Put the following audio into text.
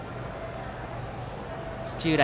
土浦